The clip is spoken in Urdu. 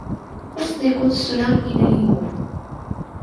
اس نے کچھ سنا ہی نہیں ہو۔